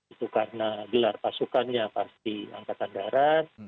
itu karena gelar pasukannya pasti angkatan darat